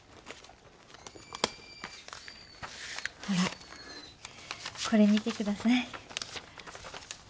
ほらこれ見て下さい。